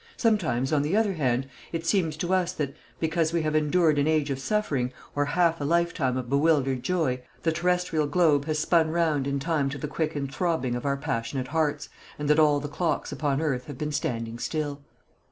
Sometimes, on the other hand, it seems to us that, because we have endured an age of suffering, or half a lifetime of bewildered joy, the terrestrial globe has spun round in time to the quickened throbbing of our passionate hearts, and that all the clocks upon earth have been standing still.